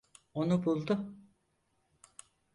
Onu buldu.